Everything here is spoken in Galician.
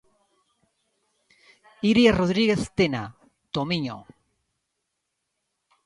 Iria Rodríguez Tena, Tomiño.